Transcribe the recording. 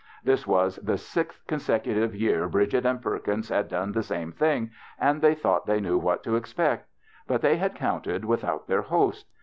This was the sixth consecutive year Bridget and Perkins had done the same thing, and they thought they knew what to expect. But they had count ed without their host.